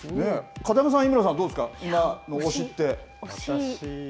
片山さん、井村さん、どうですか、今の推しって。